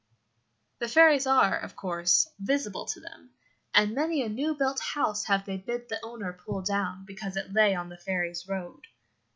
The fairies are, of course, visible to them, and many a new built house have they bid the owner pull down because it lay on the fairies' road.